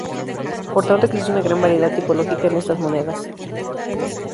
Por tanto existe una gran variedad tipológica en estas monedas.